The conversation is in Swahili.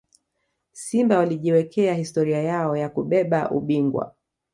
simba walijiwekea historia yao ya kubeba ubingwa